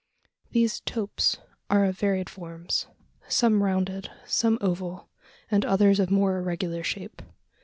These "topes" are of varied forms: some rounded, some oval, and others of more irregular shape.